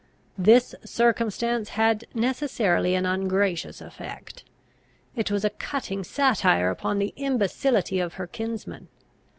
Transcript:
This circumstance had necessarily an ungracious effect; it was a cutting satire upon the imbecility of her kinsman.